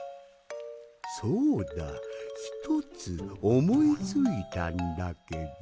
そうだ１つおもいついたんだけど。